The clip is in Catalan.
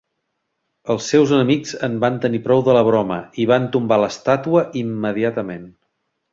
Els seus enemics en van tenir prou de la broma i van tombar l'estàtua immediatament.